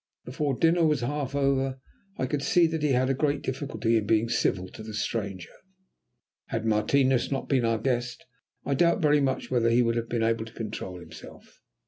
Before dinner was half over I could see that he had a great difficulty in being civil to the stranger. Had Martinos not been our guest, I doubt very much whether he would have been able to control himself.